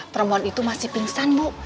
perempuan itu masih pingsan bu